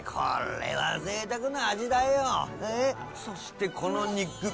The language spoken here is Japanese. そしてこの肉。